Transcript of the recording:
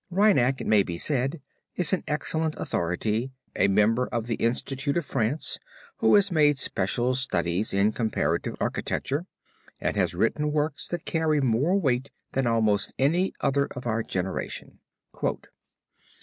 Reinach, it may be said, is an excellent authority, a member of the Institute of France, who has made special studies in comparative architecture, and has written works that carry more weight than almost any others of our generation: [Footnote 10: Scribners, New York, 1905.